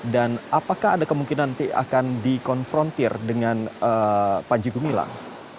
dan apakah ada kemungkinan nanti akan dikonfrontir dengan panji gumilang